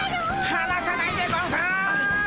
はなさないでゴンス！